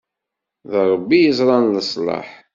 D Ṛebbi i yeẓran leṣlaḥ.